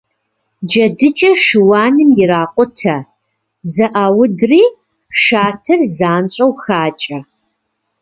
Джэдыкӏэ шыуаным иракъутэ, зэӏаудри шатэр занщӏэу хакӏэ.